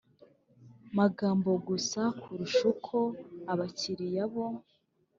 magambo gusa kurusha uko abakiliya bo